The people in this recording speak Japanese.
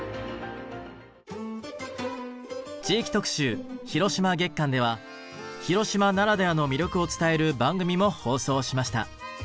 地域特集・広島月間では広島ならではの魅力を伝える番組も放送しました。